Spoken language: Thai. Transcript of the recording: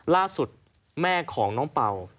ล่าสุดแม่ของน้องเป่า